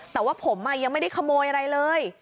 แต่ว่าผมยังไม่ได้ขโมยอะไรเลย